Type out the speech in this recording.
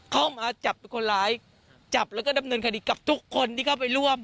เข้ามาจับเป็นคนร้ายจับแล้วก็ดำเนินคดีกับทุกคนที่เข้าไปร่วม